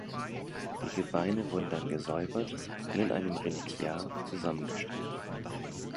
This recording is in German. Die Gebeine wurden dann gesäubert und in einem Reliquiar zusammengestellt.